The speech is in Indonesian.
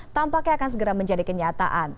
tampaknya akan segera menjadi kenyataan